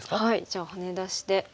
じゃあハネ出しで。